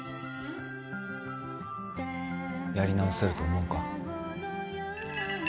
やり直せると思うか？